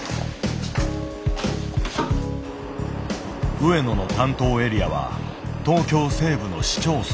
上野の担当エリアは東京西部の市町村。